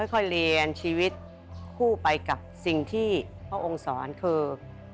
ค่อยเรียนชีวิตคู่ไปกับสิ่งที่พระองค์สอนคือ